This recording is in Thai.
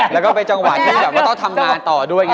แล้วก็เป็นจังหวะที่แบบว่าต้องทำงานต่อด้วย